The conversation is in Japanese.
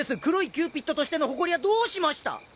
「黒いキューピッド」としての誇りはどうしました！